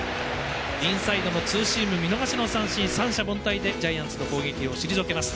インサイドのツーシーム見逃し三振、三者凡退でジャイアンツの攻撃を退けます。